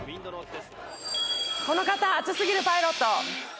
この方熱すぎるパイロット